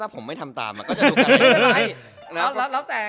ถ้าผมไม่ทำตามก็จะดูได้